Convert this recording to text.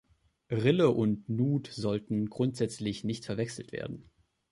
Rille und Nut sollten grundsätzlich nicht verwechselt werden.